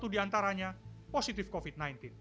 dua puluh satu diantaranya positif covid sembilan belas